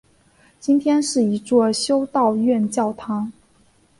今天是一座修道院教堂。